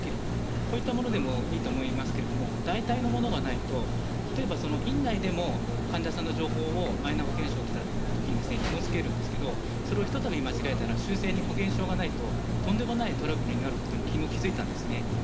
こういったものでもいいと思いますが代替のものがないと院内でも、患者さんの情報をマイナ保険証がきたときにひも付けますがそれをひとたび間違えたら保険証がないととんでもないトラブルになると昨日気付きました。